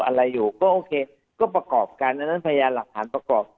อะไรอยู่ก็โอเคก็ประกอบกันอันนั้นพยานหลักฐานประกอบ